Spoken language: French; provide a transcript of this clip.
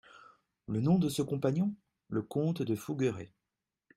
Le nom de ce compagnon ? Le comte de Fougueray.